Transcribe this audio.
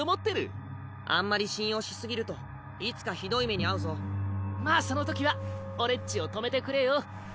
あんまり信用し過ぎるといつかひどいまあそのときは俺っちを止めてくれよ